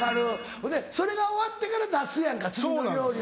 ほんでそれが終わってから出すやんか次の料理を。